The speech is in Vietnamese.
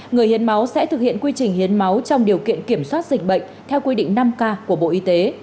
người hiến máu sẽ thực hiện quy trình hiến máu trong điều kiện kiểm soát dịch bệnh theo quy định năm k của bộ y tế